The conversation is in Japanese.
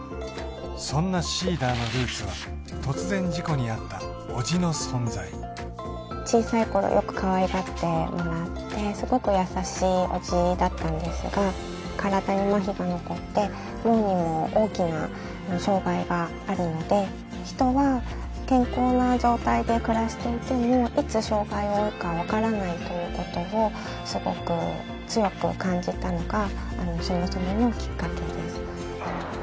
そんなＳｅｅｄｅｒのルーツは突然事故に遭った叔父の存在小さいころよくかわいがってもらってすごく優しい叔父だったんですが体にマヒが残って脳にも大きな障がいがあるので人は健康な状態で暮らしていてもいつ障がいを負うか分からないということをすごく強く感じたのがそもそものきっかけです